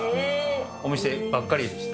お店ばっかりでした。